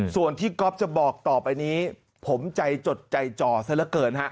ส่วนที่ก๊อฟจะบอกต่อไปนี้ผมใจจดใจจ่อซะเหลือเกินฮะ